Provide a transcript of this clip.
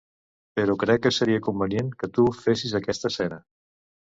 Però crec que seria convenient que tu fessis aquesta escena.